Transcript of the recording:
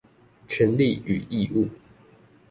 權利與義務